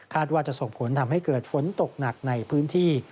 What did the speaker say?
ว่าจะส่งผลทำให้เกิดฝนตกหนักในพื้นที่